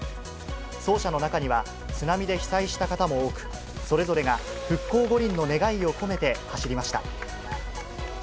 走者の中には、津波で被災した方も多く、それぞれが復興五輪の願いを込めて走りました。